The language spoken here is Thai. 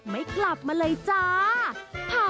ไม่กลับมาเลยจ้า